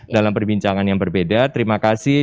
dalam perbincangan yang berbeda terima kasih